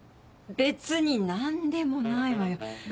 別に何でもないわよ。